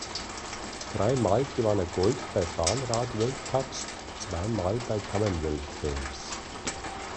Dreimal gewann er Gold bei Bahnrad-Weltcups, zweimal bei Commonwealth Games.